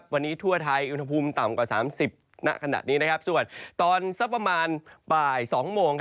วันนี้ทั่วไทยอุณหภูมิต่ำกว่า๓๐ณขณะนี้ส่วนตอนสักประมาณบ่าย๒โมง